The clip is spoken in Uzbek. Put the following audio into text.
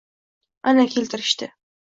Ana, keltirishdi…